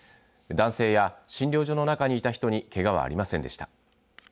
男性や診療所の中にいた人にけがはありませんでした。